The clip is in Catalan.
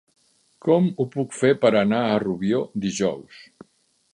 Com ho puc fer per anar a Rubió dijous?